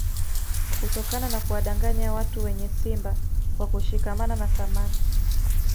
Kutokana na kuwadanganya watu wenye simba kwa kushikamana na samaki